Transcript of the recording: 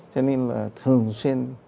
cho nên là thường xuyên